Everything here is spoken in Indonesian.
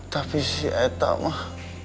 tapi si etamah